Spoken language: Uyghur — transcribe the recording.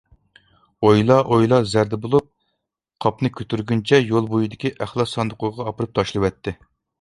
ئويلا-ئويلا زەردە بولۇپ، قاپنى كۆتۈرگىنىچە يول بويىدىكى ئەخلەت ساندۇقىغا ئاپىرىپ تاشلىۋەتتى.